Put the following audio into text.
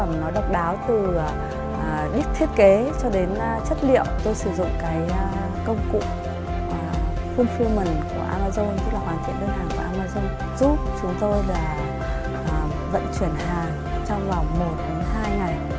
những sản phẩm nó độc đáo từ thiết kế cho đến chất liệu tôi sử dụng công cụ fulfillment của amazon tức là hoàn thiện đơn hàng của amazon giúp chúng tôi và vận chuyển hàng trong vòng một hai ngày